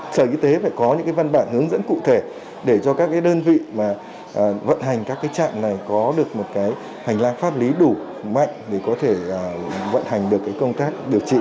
sở y tế phải có những văn bản hướng dẫn cụ thể để cho các đơn vị vận hành các trạm này có được một hành lang pháp lý đủ mạnh để có thể vận hành được công tác điều trị